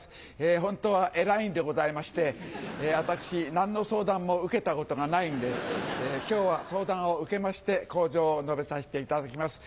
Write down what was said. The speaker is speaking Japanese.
本当は偉いんでございまして私何の相談も受けたことがないんで今日は相談を受けまして口上を述べさせていただきます。